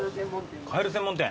カエル専門店。